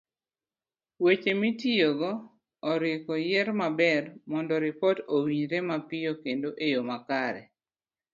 Weche mitiyogo oripo yier maber, mondo ripot owinjore mapiyo kendo eyo makare.